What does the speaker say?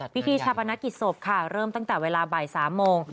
พิธีชาปนกิจศพค่ะเริ่มตั้งแต่เวลาบ่าย๓โมง